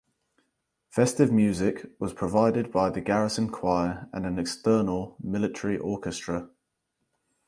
Festive music was provided by the garrison choir and an external military orchestra.